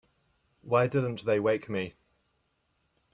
Why didn't they wake me?